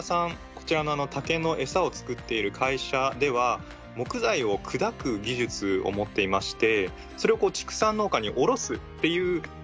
こちらの竹のエサを作っている会社では木材を砕く技術を持っていましてそれを畜産農家に卸すっていう商売をしてたんですね。